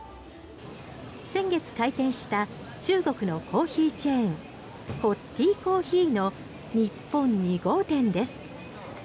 先月開店した中国のコーヒーチェーンＣＯＴＴＩＣＯＦＦＥＥの日本２号店です。